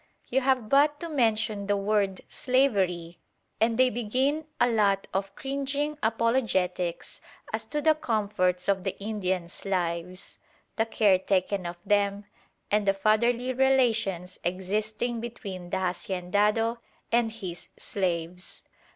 You have but to mention the word "slavery," and they begin a lot of cringing apologetics as to the comforts of the Indians' lives, the care taken of them, and the fatherly relations existing between the haciendado and his slaves.